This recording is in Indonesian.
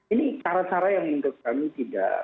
ini cara cara yang menurut kami tidak